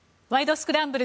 スクランブル」